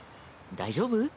大丈夫？